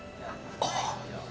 ああ。